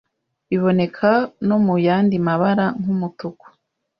biboneka no mu yandi mabara nk’umutuku,